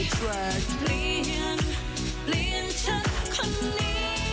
เปลี่ยนเปลี่ยนฉันคนนี้